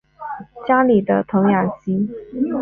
家里的童养媳